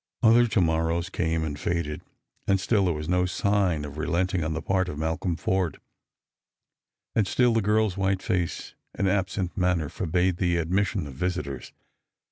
Other to morrows came and faded, and still there was no sign of relenting on the part of Malcolm Forde. And still the girl's white face and absent manner forbade the admission of visitors.